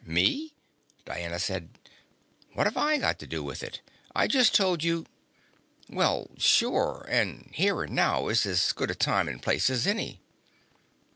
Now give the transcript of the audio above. "Me?" Diana said. "What do I have to do with it? I just told you " "Well, sure. And here and now is as good a time and place as any."